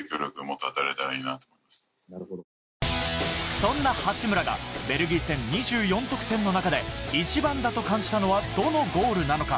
そんな八村がベルギー戦、２４得点の中で一番だと感じたのはどのゴールなのか？